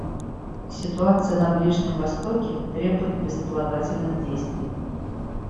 Ситуация на Ближнем Востоке требует безотлагательных действий.